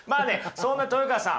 そんな豊川さん